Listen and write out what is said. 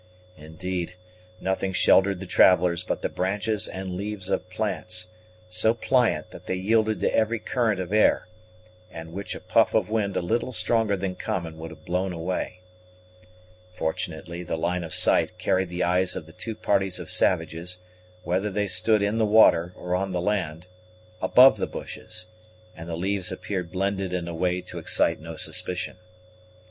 Indeed, nothing sheltered the travellers but the branches and leaves of plants, so pliant that they yielded to every current of air, and which a puff of wind a little stronger than common would have blown away. Fortunately the line of sight carried the eyes of the two parties of savages, whether they stood in the water or on the land, above the bushes, and the leaves appeared blended in a way to excite no suspicion.